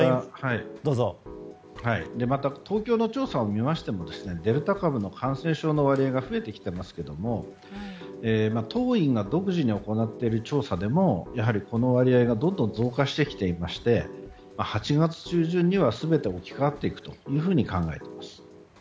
また、東京の調査を見てもデルタ株の感染症の割合が増えてきていますけど当院が独自に行っている調査でも、この割合がどんどん増加してきていまして８月中旬には全て置き換わっていくと考えています。